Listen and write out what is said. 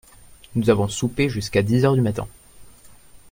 Nous avons soupé jusqu'à dix heures du matin.